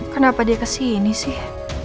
kenapa dia kesini sih